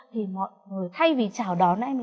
thì mọi người thay vì chào đón em